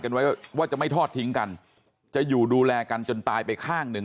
ไว้ว่าจะไม่ทอดทิ้งกันจะอยู่ดูแลกันจนตายไปข้างหนึ่ง